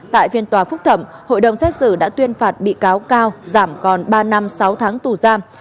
tại phiên tòa phúc thẩm hội đồng xét xử đã tuyên phạt bị cáo cao giảm còn ba năm sáu tháng tù giam